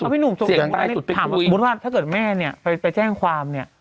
พี่หนุ่มถ้าเกิดแม่ไปแจ้งความเนี่ย